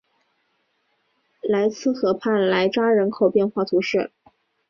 莱兹河畔莱扎人口变化图示